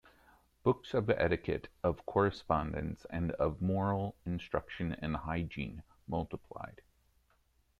Books of etiquette, of correspondence and of moral instruction and hygiene multiplied.